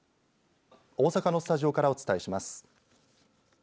大阪のスタジオからお伝えします。